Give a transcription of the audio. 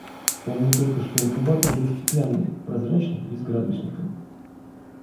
Помню только, что инкубатор был стеклянный, прозрачный и с градусником.